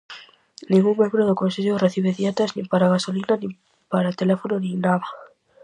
Ningún membro do Consello recibe dietas nin para gasolina, nin para teléfono nin nada.